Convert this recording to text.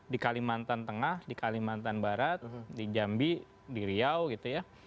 di kalimantan tengah di kalimantan barat di jambi di riau gitu ya